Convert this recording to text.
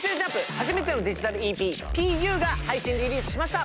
初めてのＤｉｇｉｔａｌＥＰ『Ｐ．Ｕ！』が配信リリースしました！